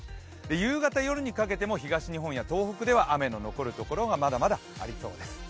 夕方、夜にかけても東日本や東北では雨が降るところがまだまだありそうです。